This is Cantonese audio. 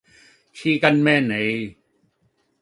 黐筋咩你